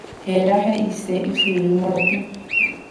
Héra he'ise ysyry morotĩ.